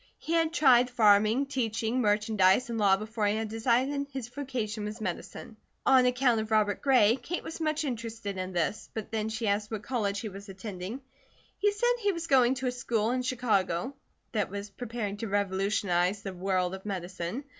He had tried farming, teaching, merchandise, and law before he had decided his vocation was medicine. On account of Robert Gray, Kate was much interested in this, but when she asked what college he was attending, he said he was going to a school in Chicago that was preparing to revolutionize the world of medicine.